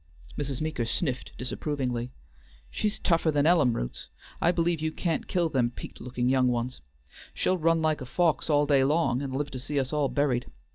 Mrs. Meeker sniffed disapprovingly. "She's tougher than ellum roots. I believe you can't kill them peakèd looking young ones. She'll run like a fox all day long and live to see us all buried.